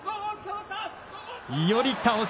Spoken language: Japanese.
寄り倒し。